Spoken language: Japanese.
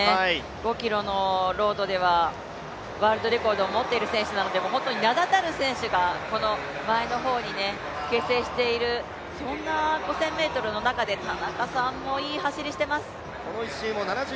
５ｋｍのロードではワールドレコードを持っている選手なので、本当に名だたる選手が前の方に結成している、そんな５０００ｍの中で田中さんもいい走りをしていますね。